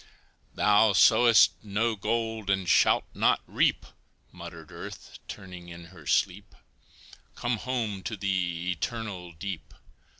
"Thou sow'st no gold, and shalt not reap!" Muttered earth, turning in her sleep; "Come home to the Eternal Deep!"